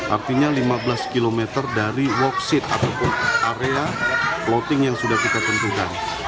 artinya lima belas km dari walk seat ataupun area loating yang sudah kita tentukan